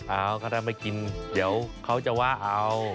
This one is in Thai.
เอาถ้าไม่กินเดี๋ยวเขาจะว่าเอา